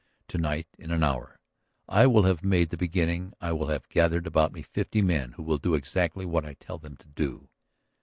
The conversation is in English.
To night, in an hour, I will have made the beginning; I will have gathered about me fifty men who will do exactly what I tell them to do!